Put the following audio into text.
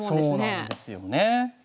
そうなんですよね。